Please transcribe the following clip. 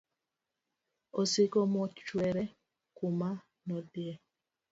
osiko mochwere kuma nodhie.